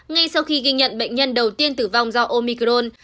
ngay sau khi ghi nhận bệnh nhân đầu tiên tử vong do omicron